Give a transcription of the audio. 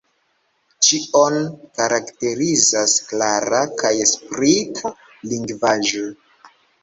Ĉion karakterizas klara kaj sprita lingvaĵo.